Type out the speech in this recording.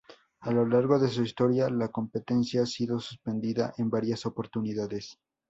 A lo largo de su historia, la competencia ha sido suspendida en varias oportunidades.